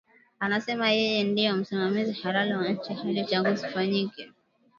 Anasema yeye ndie msimamizi halali wa nchi hadi uchaguzi ufanyike